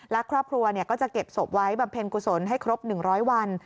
และครอบครัวก็จะเก็บศพไว้บำเพ็ญกุศลให้ครบ๑๐๐วัน